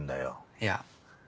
いや。